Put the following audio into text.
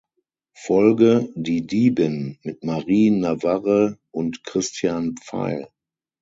Folge "Die Diebin" mit Marie Navarre und Christian Pfeil.